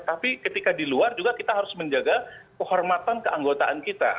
tapi ketika di luar juga kita harus menjaga kehormatan keanggotaan kita